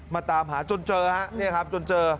มาตามหาจนเจอนะครับจนเจอ